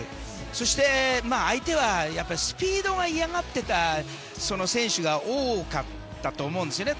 そして相手はやっぱりスピードが嫌がってた選手が多かったと思うんですよね。